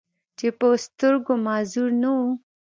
چې پۀ سترګو معذور نۀ وو،